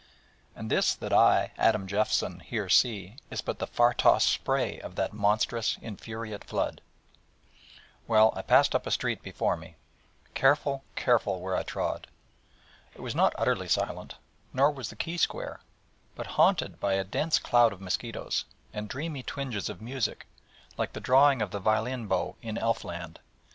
And this that I, Adam Jeffson, here see is but the far tossed spray of that monstrous, infuriate flood.' Well, I passed up a street before me, careful, careful where I trod. It was not utterly silent, nor was the quay square, but haunted by a pretty dense cloud of mosquitoes, and dreamy twinges of music, like the drawing of the violin bow in elf land.